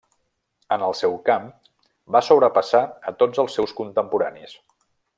En el seu camp, va sobrepassar a tots els seus contemporanis.